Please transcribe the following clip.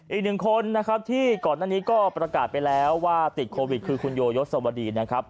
อีกหนึ่งคนนะครับที่ก่อนหน้านี้ก็ประกาศไปแล้วว่าติดโควิดคือคุณโยยศวดีนะครับ